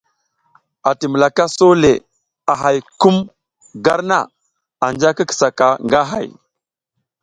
Anti mulaka a so le a hay kum gar na, anja ki kisa ka nga hay.